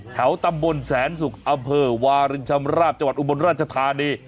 แถวตำบลแสนศุกร์อำเภอวารินชำราบจังหวัดอุบลราชธานี